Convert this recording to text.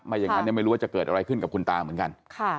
อย่างนั้นไม่รู้ว่าจะเกิดอะไรขึ้นกับคุณตาเหมือนกัน